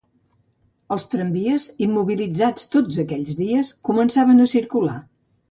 Els tramvies, immobilitzats tots aquells dies, començaven a circular